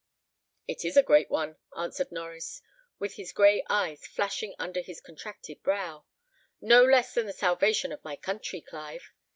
"It is a great one," answered Norries, with his gray eyes flashing under his contracted brow: "no less than the salvation of my country, Clive.